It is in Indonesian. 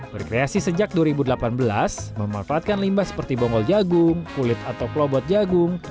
berkreasi sejak dua ribu delapan belas memanfaatkan limbah seperti bonggol jagung kulit atau klobot jagung